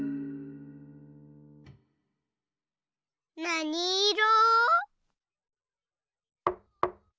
なにいろ？